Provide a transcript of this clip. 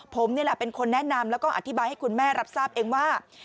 ผมนี่แหละเป็นคนแนะนำแล้วก็อธิบายให้คุณแม่รับทราบเองว่า